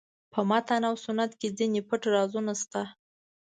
په متن او سنت کې ځینې پټ رازونه شته.